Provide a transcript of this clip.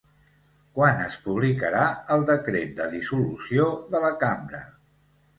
Quan es publicarà el decret de dissolució de la cambra?